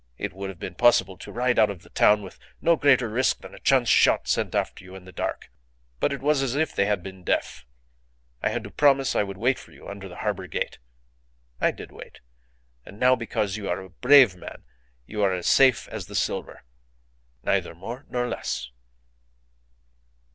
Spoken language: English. It would have been possible to ride out of the town with no greater risk than a chance shot sent after you in the dark. But it was as if they had been deaf. I had to promise I would wait for you under the harbour gate. I did wait. And now because you are a brave man you are as safe as the silver. Neither more nor less."